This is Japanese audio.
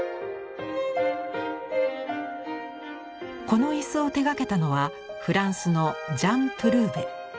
この椅子を手がけたのはフランスのジャン・プルーヴェ。